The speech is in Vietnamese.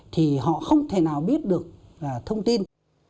thì họ không thể nào biết được thông tin